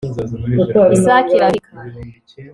isake irabika